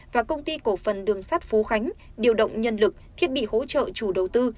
và công ty cổ phần đường sắt phú khánh điều động nhân lực thiết bị hỗ trợ chủ đầu tư